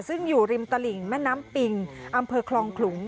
ซึ่งอยู่ริมตลิ่งแม่น้ำปิงอำเภอคลองขลุง